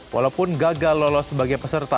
walaupun gagal lolos sebagai peserta